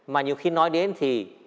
mà nhiều khi nói đến thì